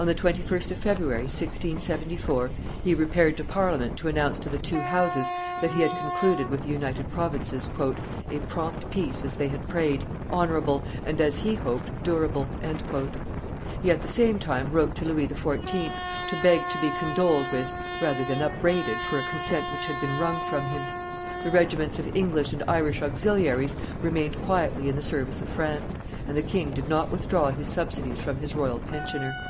On the 21st of February, 1674, he repaired to Parliament to announce to the two Houses that he had concluded with the United Provinces "a prompt peace, as they had prayed, honorable, and, as he hoped, durable." He at the same time wrote to Louis XIV., to beg to be condoled with, rather than upbraided, for a consent which had been wrung from him. The regiments of English and Irish auxiliaries remained quietly in the service of France; and the king did not withdraw his subsidies from his royal pensioner.